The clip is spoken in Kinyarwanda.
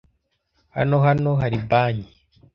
Hano hano hari banki?